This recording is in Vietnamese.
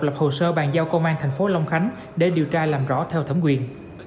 lập hồ sơ bàn giao công an thành phố long khánh để điều tra làm rõ theo thẩm quyền